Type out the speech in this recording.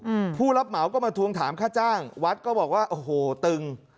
อืมผู้รับเหมาก็มาทวงถามค่าจ้างวัดก็บอกว่าโอ้โหตึง